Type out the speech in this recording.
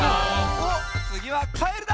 おっつぎはカエルだ！